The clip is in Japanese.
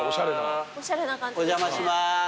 お邪魔します。